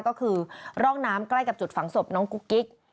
ก็คือร่องน้ำใกล้กับจุดฝังศพน้องกุ๊กกิ๊ก